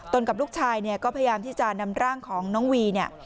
กับลูกชายเนี่ยก็พยายามที่จะนำร่างของน้องวีเนี่ย